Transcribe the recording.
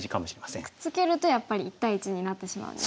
くっつけるとやっぱり１対１になってしまうんですね。